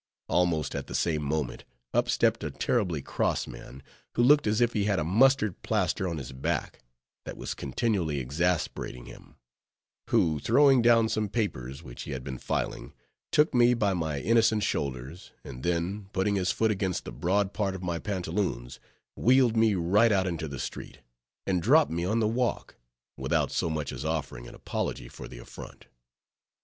Almost at the same moment, up stepped a terribly cross man, who looked as if he had a mustard plaster on his back, that was continually exasperating him; who throwing down some papers which he had been filing, took me by my innocent shoulders, and then, putting his foot against the broad part of my pantaloons, wheeled me right out into the street, and dropped me on the walk, without so much as offering an apology for the affront.